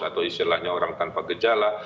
atau istilahnya orang tanpa gejala